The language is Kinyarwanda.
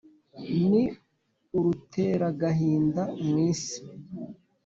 Ni uruteragahinda mw'isi